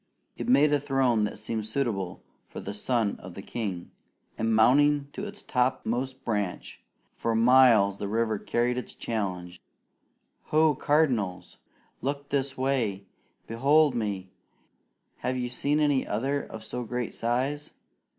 It made a throne that seemed suitable for the son of the king; and mounting to its topmost branch, for miles the river carried his challenge: "Ho, cardinals! Look this way! Behold me! Have you seen any other of so great size?